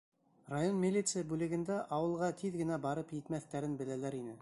Район милиция бүлегендә ауылға тиҙ генә барып етмәҫтәрен беләләр ине.